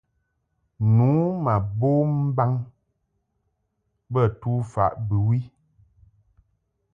Nu ma bom mbaŋ bə tufaʼ bɨwi.